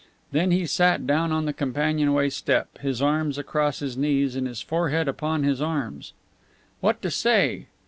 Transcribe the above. Then he sat down on the companionway step, his arms across his knees and his forehead upon his arms. What to say?